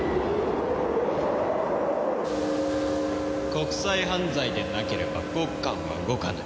国際犯罪でなければゴッカンは動かない。